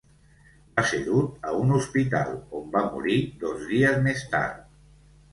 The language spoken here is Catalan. Va ser dut a un hospital, on va morir dos dies més tard.